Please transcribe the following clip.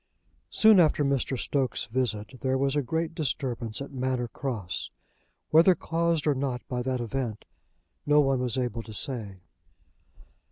Soon after Mr. Stokes' visit there was a great disturbance at Manor Cross, whether caused or not by that event no one was able to say.